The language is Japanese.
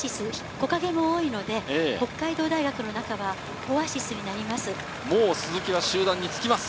木陰も多いので、北海道大学の中はオアシスになります。